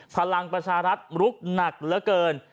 พลังประชารัฐลุกหนักเหลือเกิน